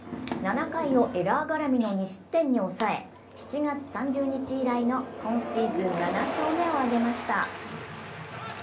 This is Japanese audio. ７回をエラー絡みの２失点に抑え７月３０日以来の今シーズン７勝目を挙げました。